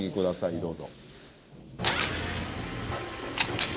どうぞ。